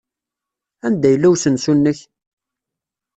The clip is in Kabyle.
Anda yella usensu-nnek?